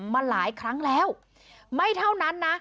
มาหลายครั้งแล้วไม่เท่านั้นนะ